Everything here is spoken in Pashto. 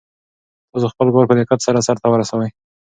تاسو خپل کار په دقت سره سرته ورسوئ.